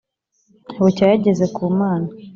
bucya yageze ku Mana.